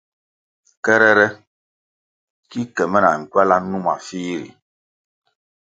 Kerere ki ke me na nkywala numa fih ri.